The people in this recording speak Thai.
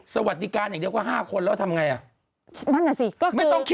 สวัสดิกาลอย่างเดียวกว่า๕คนแล้วทำยังไง